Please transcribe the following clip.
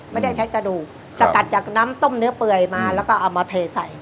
ไม่ได้ใช้กระดูกสกัดจากน้ำต้มเนื้อเปื่อยมาแล้วก็เอามาเทใส่